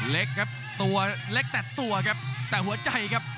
เล็กครับตัวเล็กแต่ตัวครับแต่หัวใจครับ